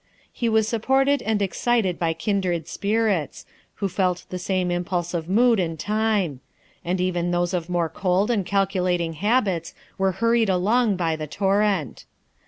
He was supported and excited by kindred spirits, who felt the same impulse of mood and time; and even those of more cold and calculating habits were hurried along by the torrent.